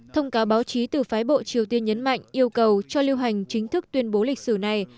thông cáo báo chí từ phái bộ triều tiên nhấn mạnh yêu cầu cho lưu hành chính thức tuyên bố lịch sử này